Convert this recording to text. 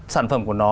sản phẩm của nó